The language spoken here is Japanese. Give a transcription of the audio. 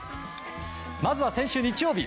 まずは先週日曜日。